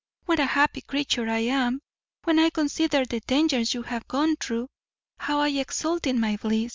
what a happy creature am I! when I consider the dangers you have gone through, how I exult in my bliss!"